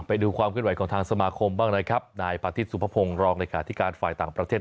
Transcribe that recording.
ไปดูความกล้วยไหวของทางสมาคมบ้างนะครับนายพาติดสุภพงศ์รองรายการที่การไฟล์ต่างประเทศ